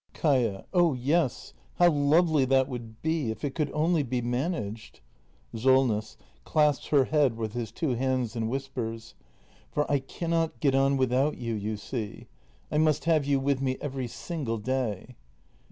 Kaia. Oh yes, how lovely that would be, if it could only be managed ! Solness. [Clasps her head with his two hands and whispers.] For I cannot get on without you, you see. I must have you with me every single day.